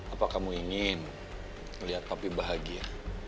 apa kamu ingin melihat tapi bahagia